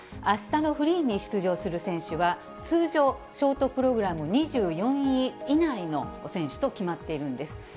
あしたのフリーに出場する選手は、通常、ショートプログラム２４位以内の選手と決まっているんです。